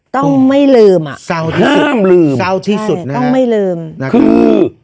ต้องไม่ลืมต้องไม่ลืม